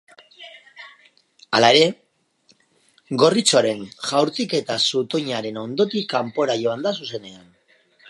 Hala ere, gorritxoaren jaurtiketa zutoinaren ondotik kanpora joan da zuzenean.